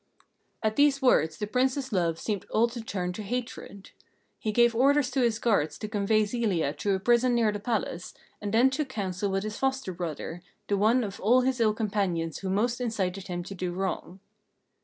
At these words the Prince's love seemed all to turn to hatred. He gave orders to his guards to convey Zelia to a prison near the palace, and then took counsel with his foster brother, the one of all his ill companions who most incited him to do wrong.